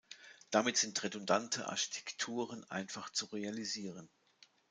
Damit sind redundante Architekturen einfach zu realisieren.